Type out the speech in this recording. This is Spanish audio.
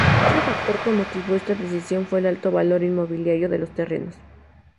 Otro factor que motivó esta decisión fue el alto valor inmobiliario de los terrenos.